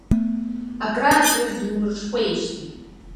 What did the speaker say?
Акрааҵуеит думырҽхәеижьҭеи.